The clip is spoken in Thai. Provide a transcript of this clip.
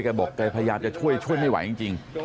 พยายามจะช่วยช่วยไม่ไหวจริงจริง